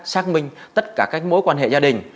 xác minh tất cả các mối quan hệ gia đình